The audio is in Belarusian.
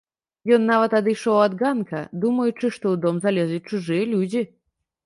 Ён нават адышоў ад ганка, думаючы, што ў дом залезлі чужыя людзі.